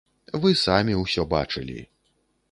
Вы самі ўсё бачылі.